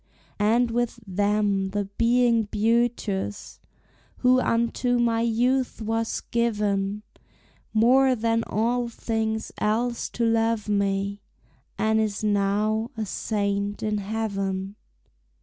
And with them the being beauteous Who unto my youth was given, More than all things else to love me, And is now a saint in heaven.